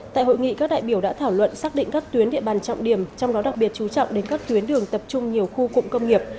tại hội nghị các đại biểu đã thảo luận xác định các tuyến địa bàn trọng điểm trong đó đặc biệt chú trọng đến các tuyến đường tập trung nhiều khu cụm công nghiệp